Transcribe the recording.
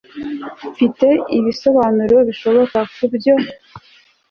mfite ibisobanuro bishoboka kubyo